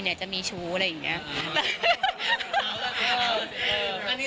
เนี่ยจะมีชู้อะไรอย่างนี้